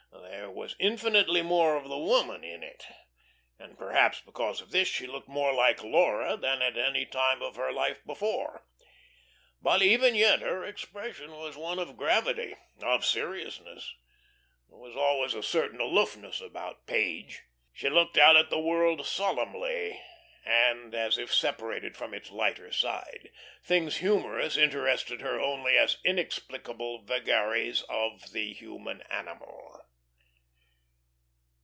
There was infinitely more of the woman in it; and perhaps because of this she looked more like Laura than at any time of her life before. But even yet her expression was one of gravity, of seriousness. There was always a certain aloofness about Page. She looked out at the world solemnly, and as if separated from its lighter side. Things humorous interested her only as inexplicable vagaries of the human animal.